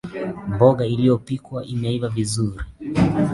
Mboga iliyopikwa imeiva vizuri